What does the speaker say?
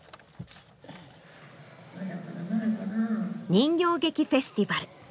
人形劇フェスティバル。